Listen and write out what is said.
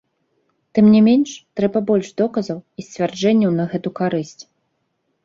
Тым не менш, трэба больш доказаў і сцвярджэнняў на гэту карысць.